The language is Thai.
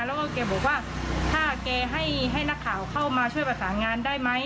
แล้วก็แกบอกว่าถ้าแกให้นักข่าวเข้ามาช่วยประสานงานได้ไหม